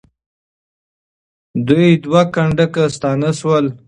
دوی دوه کنډکه ستانه سول.